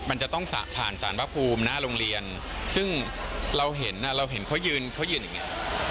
มันจะต้องผ่านสารพระภูมิหน้าโรงเรียนซึ่งเราเห็นเขายืนอย่างนี้